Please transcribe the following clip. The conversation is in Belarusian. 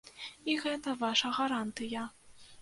І гэта ваша гарантыя.